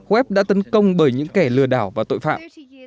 web đã tấn công bởi những kẻ lừa đảo và tội phạm